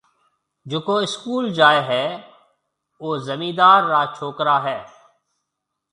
جڪو اسڪول جائيِ هيَ او زميندار را ڇوڪرا هيَ۔